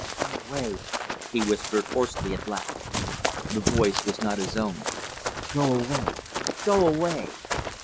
"Go away!" he whispered hoarsely at last. The voice was not his own. "Go away! Go away!"